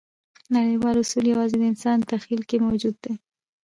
نړیوال اصول یواځې د انسان تخیل کې موجود دي.